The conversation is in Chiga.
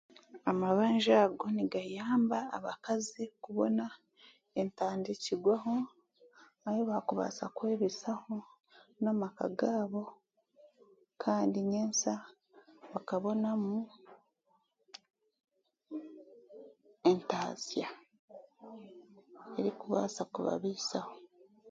Amabanja ago nigayamba abakaazi kubona entandikirwaho ahi baakubaasa kwebeisaho n'amaka gaabo kandi nyensya bakabonamu entaasya erikubaasa kubabaisaho